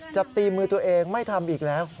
จะตีมือตัวเองไม่ทำอีกแล้ว